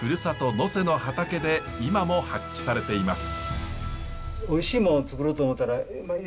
能勢の畑で今も発揮されています。